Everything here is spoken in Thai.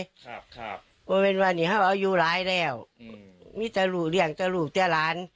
ครับครับว่าเวลาวันนี้เขาอายุร้ายแล้วอืมมีเจ้าลูกเรียงเจ้าลูกเจ้าร้าน